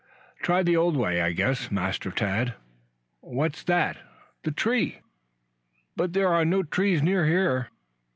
"Try the old way, I guess, Master Tad." "What's that?" "The tree." "But there are no trees near here?"